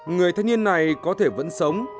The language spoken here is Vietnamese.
người thanh niên này có thể vẫn sống